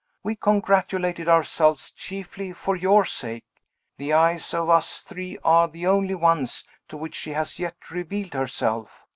We congratulated ourselves, chiefly for your sake. The eyes of us three are the only ones to which she has yet revealed herself.